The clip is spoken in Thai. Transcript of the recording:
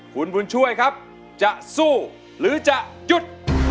คุณบุญช่วยครับจะสู้หรือจะหยุด